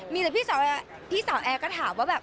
มีแต่พี่สาวแอร์ก็ถามว่าแบบ